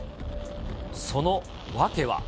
その訳は。